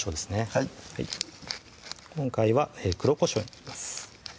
はい今回は黒こしょうになります